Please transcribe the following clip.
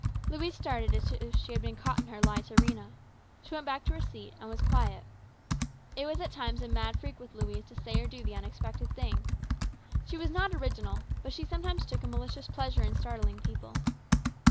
Louise started as if she had been caught in her lie to Rhena. She went back to her seat and was silent. It was at times a mad freak with Louise to say or do the unexpected thing. She was not original, but she sometimes took a malicious pleasure in startling people.